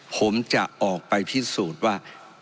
ผมจะออกไปพิสูจน์ว่า